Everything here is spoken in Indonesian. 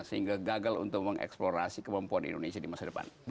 sehingga gagal untuk mengeksplorasi kemampuan indonesia di masa depan